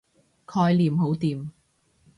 概念好掂